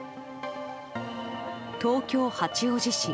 東京・八王子市。